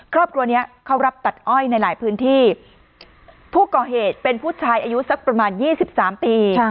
ครอบครัวเนี้ยเขารับตัดอ้อยในหลายพื้นที่ผู้ก่อเหตุเป็นผู้ชายอายุสักประมาณยี่สิบสามปี